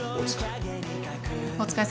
お疲れ。